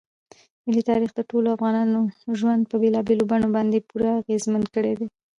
ملي تاریخ د ټولو افغانانو ژوند په بېلابېلو بڼو باندې پوره اغېزمن کړی دی.